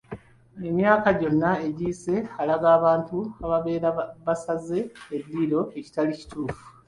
Emyaka gyonna egiyise alaga abantu ababeera basaze eddiiro ekitali kituufu.